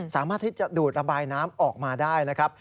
สามารถที่จะดูดระบายน้ำออกมาได้นะครับ